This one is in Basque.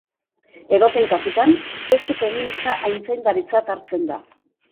Edozein kasutan, testu feminista aitzindaritzat hartzen da.